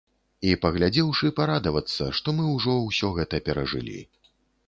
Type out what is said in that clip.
І, паглядзеўшы, парадавацца, што мы ўжо ўсё гэта перажылі.